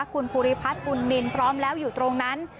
คุณภูริพัฒน์บุญนินพร้อมแล้วอยู่ตรงนั้น